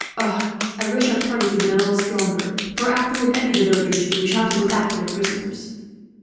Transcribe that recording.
I wish our parties had been a little stronger for, after we have entered a village or two, we shall have to look after the prisoners."